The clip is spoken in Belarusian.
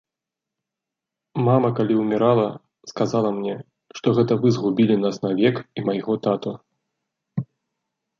Мама, калі ўмірала, сказала мне, што гэта вы згубілі нас навек і майго тату.